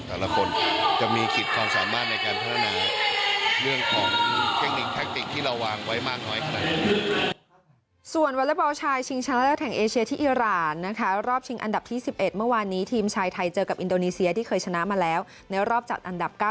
แต่ละคนจะมีขีดความสามารถในการพัฒนา